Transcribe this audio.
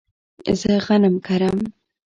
زه غنم کرم